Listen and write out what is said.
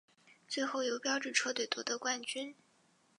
最后由标致车队夺得冠军。